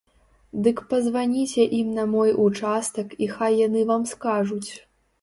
Дык пазваніце ім на мой участак і хай яны вам скажуць.